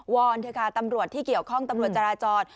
เถอะค่ะตำรวจที่เกี่ยวข้องตำรวจจราจร